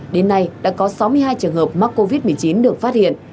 đến nay đã có sáu mươi hai trường hợp mắc covid một mươi chín được phát hiện